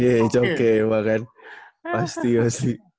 iya joket banget pasti ya sih